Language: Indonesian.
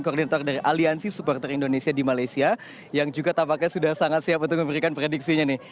koordinator dari aliansi supporter indonesia di malaysia yang juga tampaknya sudah sangat siap untuk memberikan prediksinya nih